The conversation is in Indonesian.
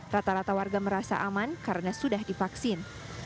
rata rata warga merasa aman karena sudah divaksin